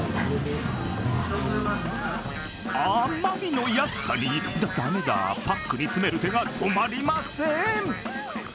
あまりの安さにパックに詰める手が止まりません。